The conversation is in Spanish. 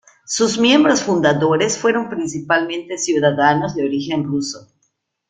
Sus miembros fundadores fueron principalmente ciudadanos de origen ruso.